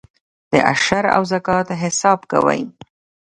د عشر او زکات حساب کوئ؟